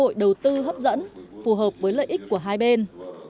cơ hội đầu tư hấp dẫn phù hợp với lợi ích của hai bên